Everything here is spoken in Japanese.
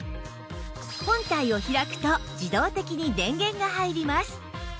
本体を開くと自動的に電源が入ります